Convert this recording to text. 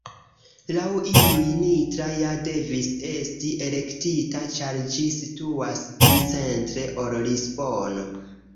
Laŭ iuj, Nitra ja devis esti elektita ĉar ĝi situas pli 'centre' ol Lisbono.